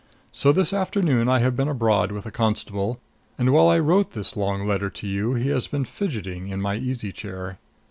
So this afternoon I have been abroad with a constable, and while I wrote this long letter to you he has been fidgeting in my easy chair.